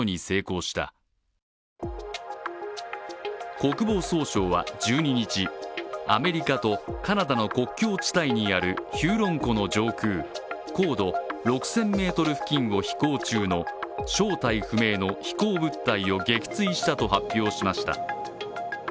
国防総省は１２日、アメリカとカナダの国境地帯にあるヒューロン湖の上空、高度６０００ｍ付近を飛行中の正体不明の飛行物体を撃墜したと発表しました。